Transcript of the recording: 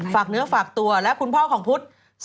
ฝากเนื้อฝากตัวและคุณพ่อของพุทธ